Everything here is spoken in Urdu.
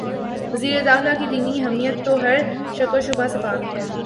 وزیر داخلہ کی دینی حمیت تو ہر شک و شبہ سے پاک ہے۔